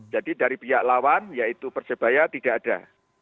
jadi dari pihak lawan yaitu persebaya tidak ada